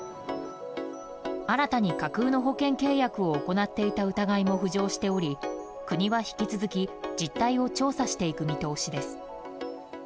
新たに架空の保険契約を行っていた疑いも浮上しており、国は引き続き実態を調査していく見通しです。